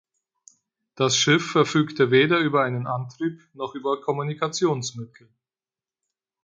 Das Schiff verfügte weder über einen Antrieb noch über Kommunikationsmittel.